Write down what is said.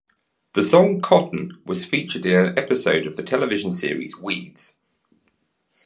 The song "Cotton" was featured in an episode of the television series "Weeds".